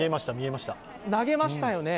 投げましたよね。